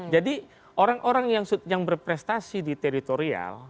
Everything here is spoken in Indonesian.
jadi orang orang yang berprestasi di teritorial